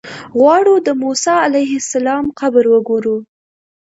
غواړو د موسی علیه السلام قبر وګورو.